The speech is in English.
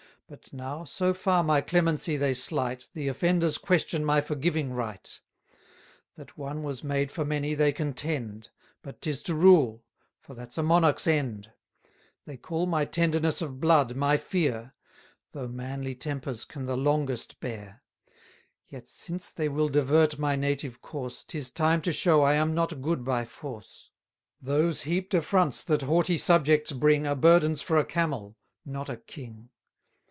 But now so far my clemency they slight, The offenders question my forgiving right: That one was made for many, they contend; But 'tis to rule; for that's a monarch's end. They call my tenderness of blood, my fear: Though manly tempers can the longest bear. Yet, since they will divert my native course, 'Tis time to show I am not good by force. 950 Those heap'd affronts that haughty subjects bring, Are burdens for a camel, not a king.